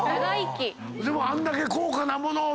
でもあんだけ高価な物を。